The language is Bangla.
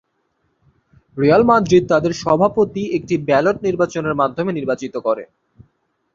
রিয়াল মাদ্রিদ তাদের সভাপতি একটি ব্যালট নির্বাচনের মাধ্যমে নির্বাচিত করে।